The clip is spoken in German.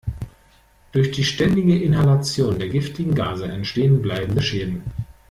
Durch die ständige Inhalation der giftigen Gase entstehen bleibende Schäden.